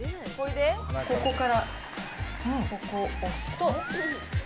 ここから、ここ押すと。